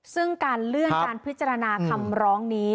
ซึ่งการเลื่อนการพิจารณาคำร้องนี้